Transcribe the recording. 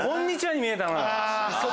に見えたのよ。